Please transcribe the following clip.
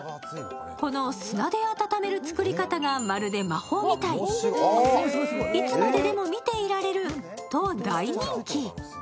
この砂で温める作り方がまるで魔法みたい、いつまででも見ていられると大人気。